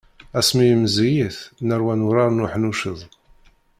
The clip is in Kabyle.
Asmi i meẓẓiyit, nerwa urar n uḥnucceḍ.